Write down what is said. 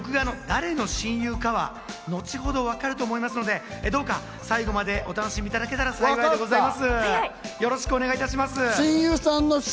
私が誰の親友かは後ほど分かると思いますので、どうか最後までお楽しみいただけたら幸いでございます。